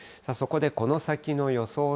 そこで、この先の予想